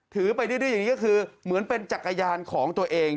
ถือไปดื้ออย่างนี้ก็คือเหมือนเป็นจักรยานของตัวเอง